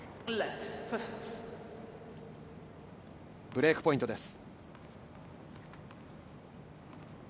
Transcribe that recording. ブレークポイントです。